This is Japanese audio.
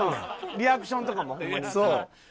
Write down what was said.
リアクションとかもホンマに。